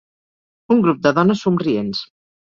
Un grup de dones somrients.